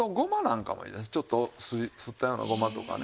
ちょっとすったようなごまとかね。